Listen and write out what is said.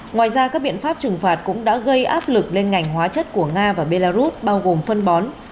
ngoài ra các biện pháp trừng phạt cũng đã gây áp lực lên ngành hóa chất của nga và belarus bao gồm phân bón